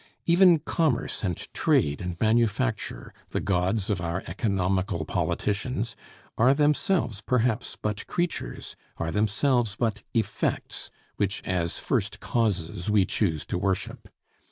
Even commerce and trade and manufacture, the gods of our economical politicians, are themselves perhaps but creatures; are themselves but effects, which as first causes we choose to worship.